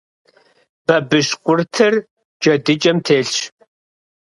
Бабыщкъуртыр джэдыкӏэм телъщ.